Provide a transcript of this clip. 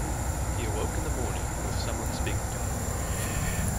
He awoke in the morning with someone speaking to him.